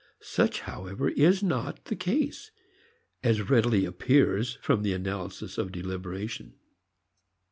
Such, however, is not the case, as readily appears from the analysis of deliberation.